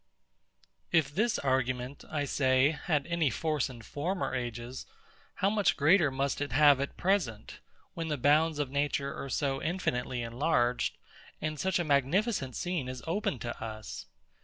If this argument, I say, had any force in former ages, how much greater must it have at present, when the bounds of Nature are so infinitely enlarged, and such a magnificent scene is opened to us?